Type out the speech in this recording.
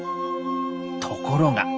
ところが。